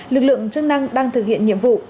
lực lượng chức năng đang thực hiện nhiệm vụ